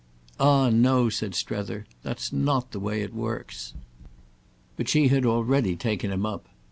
"Ah no," said Strether, "that's not the way it works." But she had already taken him up.